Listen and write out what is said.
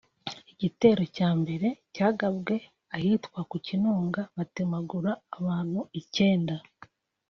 Igitero cya mbere cyagabwe ahitwa ku Kinunga batemagura abantu icyenda